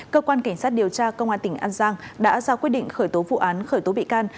cơ quan cảnh sát điều tra công an tỉnh an giang đã ra quyết định khởi tố vụ án khởi tố bị can